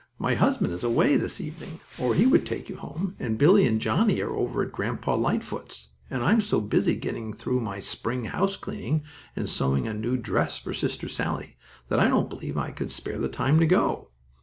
"My husband is away this evening, or he would take you home, and Billie and Johnnie are over at Grandpa Lightfoot's, and I'm so busy getting through my spring housecleaning, and sewing a new dress for Sister Sallie, that I don't believe I could spare the time to go."